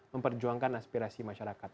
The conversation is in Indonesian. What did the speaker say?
memperjuangkan aspirasi masyarakat